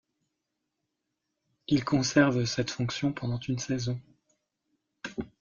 Il conserve cette fonction pendant une saison.